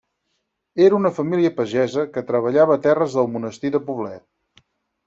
Era una família pagesa, que treballava terres del Monestir de Poblet.